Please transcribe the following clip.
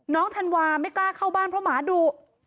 ธันวาไม่กล้าเข้าบ้านเพราะหมาดุ